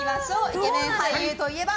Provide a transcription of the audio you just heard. イケメン俳優といえば？